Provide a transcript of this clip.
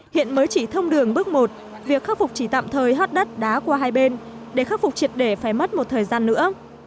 hiện mới chỉ thông đường bước một việc khắc phục chỉ tạm thời hót đất đá qua hai bên để khắc phục triệt để phải mất một thời gian nữa